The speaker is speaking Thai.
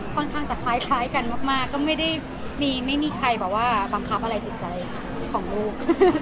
ค่อนข้างจะคล้ายกันมากก็ไม่มีใครบังคับอะไรจิตใจของลูก